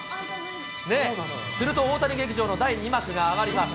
すると、大谷劇場の第２幕が上がります。